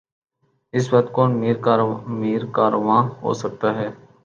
اس وقت کون میر کارواں ہو سکتا ہے؟